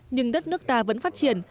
nhưng đất nước ta vẫn phát triển